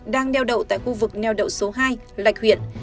đang neo đậu tại khu vực neo đậu số hai lạch huyện